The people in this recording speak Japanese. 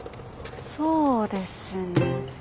そうですね